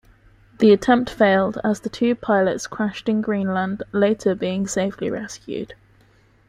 The attempt failed as the two pilots crashed in Greenland, later being safely rescued.